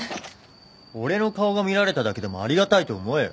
俺の顔が見られただけでもありがたいと思えよ。